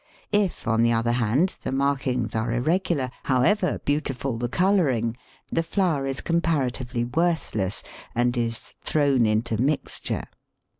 If, on the other hand, the markings are irregular, however beautiful the colouring, the flower is comparatively worthless, and is "thrown into mixture."